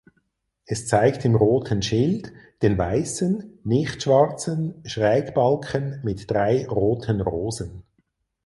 Es zeigt im roten Schild den weißen ("nicht" schwarzen) Schrägbalken mit drei roten Rosen.